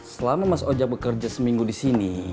selama mas oja bekerja seminggu di sini